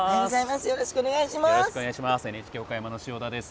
よろしくお願いします。